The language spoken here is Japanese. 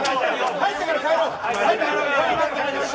入ったから帰ろう。